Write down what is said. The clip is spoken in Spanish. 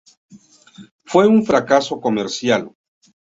Fue un fracaso comercial.